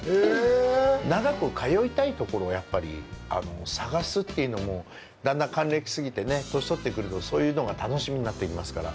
長く通いたいところをやっぱり探すというのもだんだん還暦過ぎてね、年とってくるとそういうのが楽しみになっていきますから。